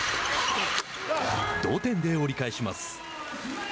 同点で折り返します。